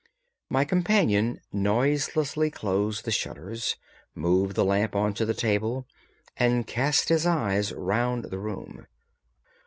My companion noiselessly closed the shutters, moved the lamp onto the table, and cast his eyes round the room.